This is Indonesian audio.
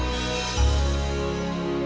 bahkan mohon siapa skrik kece